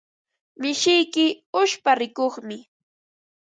Mishiyki uchpa rikuqmi.